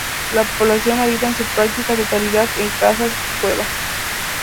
La población habita en su práctica totalidad en casas-cueva.